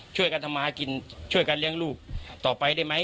ช่วยกันทำมากินช่วยกันเลี้ยงลูกต่อไปได้ไหม